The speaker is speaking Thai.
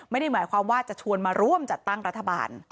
ไม่ได้หมายความว่าจะชวนมาร่วมจัดตั้งรัฐบาล